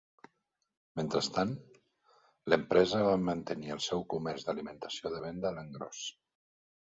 Mentrestant, l'empresa va mantenir el seu comerç d'alimentació de venda a l'engròs.